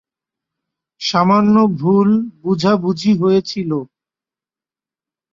সামান্য ভুল বুঝাবুঝি হয়েছিল।